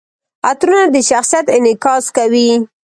عطرونه د شخصیت انعکاس کوي.